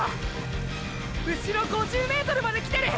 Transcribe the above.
うしろ５０ｍまで来てる！！